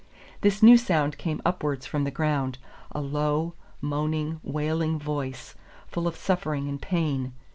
This new sound came upwards from the ground, a low, moaning, wailing voice, full of suffering and pain.